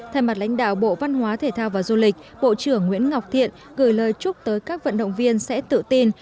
thay mặt lãnh đạo bộ văn hóa thể thao và du lịch bộ trưởng nguyễn ngọc thiện gửi lời chúc tới các vận động viên sẽ tự tin